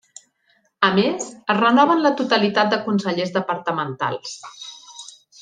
A més es renoven la totalitat de consellers departamentals.